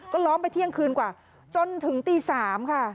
ก็ล้อมไปเที่ยงคืนกว่าจนถึงตี๓ค่ะ